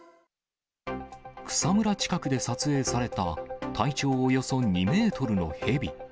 草むら近くで撮影された、体長およそ２メートルのヘビ。